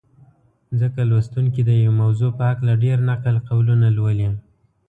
ځکه لوستونکي د یوې موضوع په هکله ډېر نقل قولونه لولي.